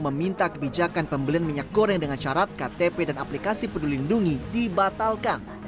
meminta kebijakan pembelian minyak goreng dengan syarat ktp dan aplikasi peduli lindungi dibatalkan